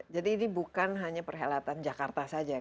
jadi ini bukan hanya perhelatan jakarta saja kan